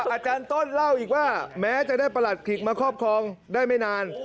อาจารย์ต้นเล่าอีกว่าแม้จะได้ประหลัดขลิกมาครอบครองได้ไม่นาน